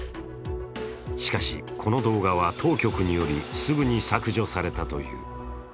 しかし、この動画は当局によりすぐに削除されたという。